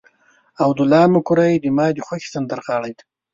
عبدالله مقری زما د خوښې سندرغاړی دی.